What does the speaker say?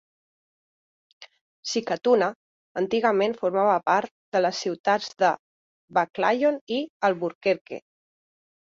Sikatuna antigament formava part de les ciutats de Baclayon i Alburquerque.